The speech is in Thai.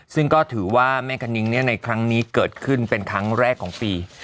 ซึ่งก็ถือว่าแม่คณิ้งในครั้งนี้เกิดขึ้นเป็นครั้งแรกของปี